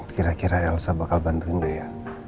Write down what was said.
kira kira elsa bakal bantuin dia ya